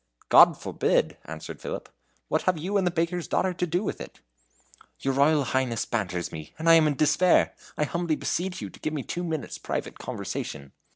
"God forbid!" answered Philip; "what have you and the baker's daughter to do with it?" "Your Royal Highness banters me, and I am in despair! I humbly beseech you to give me two minutes' private conversation."